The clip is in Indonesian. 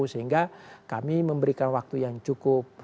sehingga kami memberikan waktu yang cukup